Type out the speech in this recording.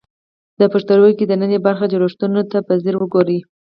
د پښتورګي دننۍ برخې جوړښتونو ته په ځیر وګورئ.